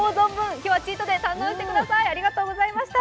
今日はチートデー堪能してください。